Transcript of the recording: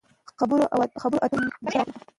خبرو اترو کښې مو ترې پوښتنه وکړه